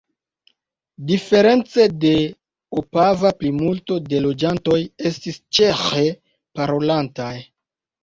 Diference de Opava plimulto de loĝantoj estis ĉeĥe parolantaj.